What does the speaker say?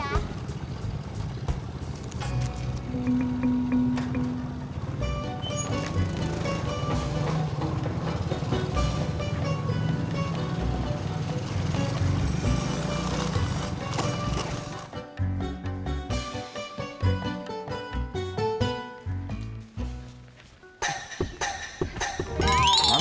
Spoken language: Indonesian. terima kasih ya